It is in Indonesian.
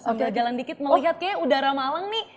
oke jalan dikit melihat kayaknya udara malang nih